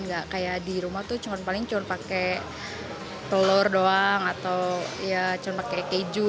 nggak kayak di rumah tuh paling cuma pakai telur doang atau ya cuma pakai keju